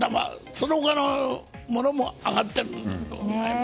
その他のものも上がってると。